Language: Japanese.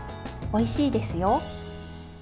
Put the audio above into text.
おいしいですよ。